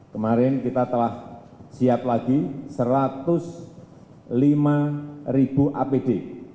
kemarin kita telah siap lagi satu ratus lima ribu apd